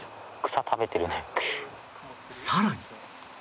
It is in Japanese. さらに